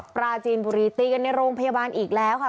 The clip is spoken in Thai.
ปราจีนบุรีตีกันในโรงพยาบาลอีกแล้วค่ะ